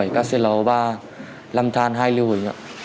bảy kclo ba năm than hai liu hồi